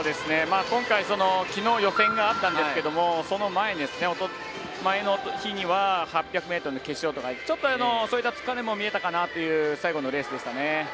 今回、昨日予選があったんですがその前の日には８００ｍの決勝とちょっと、その疲れも見えたかなという最後のレースでしたね。